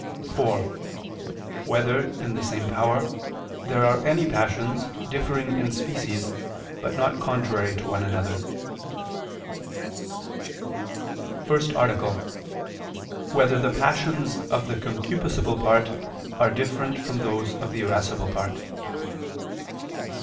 (4) Whether, in the same power, there are any passions, differing in species, but not contrary to one another? ________________________ QUESTION 23 Whether the Passions of the Concupiscible Part Are Different from Those of the Irascible Part?